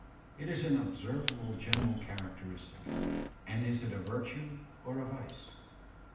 Is it an observable general characteristic, and is it a virtue or a vice?